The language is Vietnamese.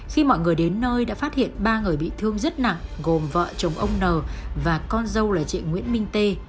khi mọi người đến nơi đã phát hiện ba người bị thương rất nặng gồm vợ chồng ông n và con dâu là chị nguyễn minh tê